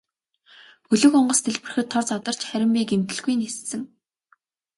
Хөлөг онгоц дэлбэрэхэд тор задарч харин би гэмтэлгүй ниссэн.